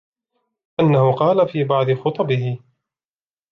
أَنَّهُ قَالَ فِي بَعْضِ خُطَبِهِ